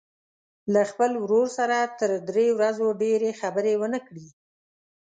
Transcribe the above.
له خپل ورور سره تر درې ورځو ډېرې خبرې ونه کړي.